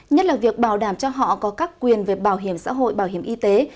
nhất là việc bảo đảm cho họ có các quyền về bảo hiểm xã hội bảo hiểm y tế